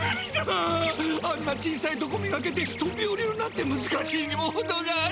あんな小さいとこめがけてとびおりるなんてむずかしいにもほどがある！